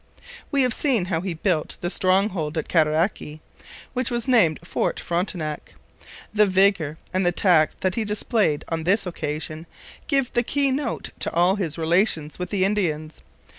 We have seen how he built the stronghold at Cataraqui, which was named Fort Frontenac. The vigour and the tact that he displayed on this occasion give the keynote to all his relations with the Indians.